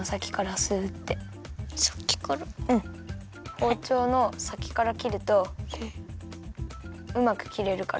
ほうちょうのさきからきるとうまくきれるから。